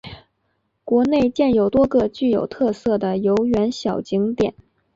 园内建有多个具有特色的游园小景点。